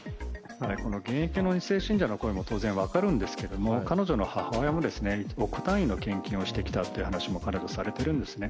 この現役の２世信者の声も当然分かるんですが、彼女の母親も億単位の献金をしてきたという話もしていたんですね。